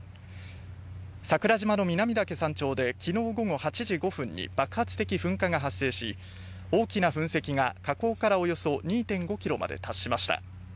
桜島の南岳山頂で昨日夜８時５分に爆発的噴火が発生し、大きな噴石が火口からおよそ２．５ｋｍまで達しました。